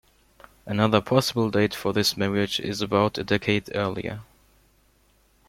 Another possible date for this marriage is about a decade earlier.